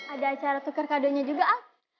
ada acara tukar kadonya juga ah